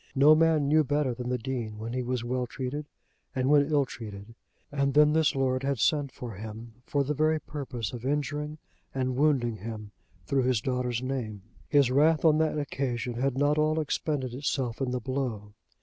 No man knew better than the Dean when he was well treated and when ill treated. And then this lord had sent for him for the very purpose of injuring and wounding him through his daughter's name. His wrath on that occasion had not all expended itself in the blow.